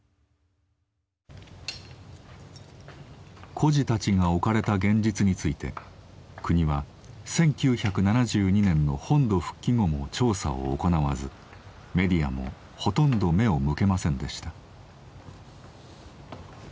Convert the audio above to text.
孤児たちが置かれた現実について国は１９７２年の本土復帰後も調査を行わずメディアもほとんど目を向けませんでした。